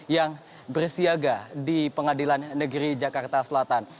yang bersiaga di pengadilan negeri jakarta selatan